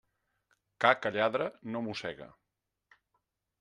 Ca que lladra no mossega.